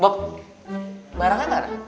bob barangnya ga ada